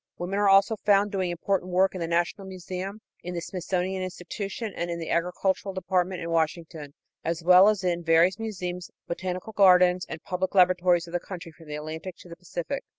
Women are also found doing important work in the National Museum, in the Smithsonian Institution, and in the Agricultural Department in Washington, as well as in the various museums, botanical gardens and public laboratories of the country from the Atlantic to the Pacific.